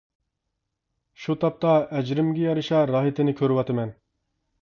شۇ تاپتا ئەجرىمگە يارىشا راھىتىنى كۆرۈۋاتىمەن.